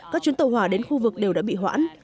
các chuyến tàu hỏa đến khu vực đều đã bị hoãn